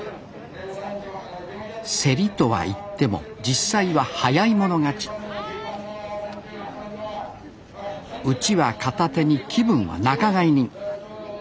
競りとは言っても実際は早い者勝ちうちわ片手に気分は仲買人。